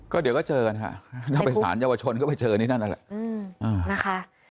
ก็เดี๋ยวก็เจอกันค่ะถ้าไปสารเยาวชนก็ไปเจอนี่นั่นแหละ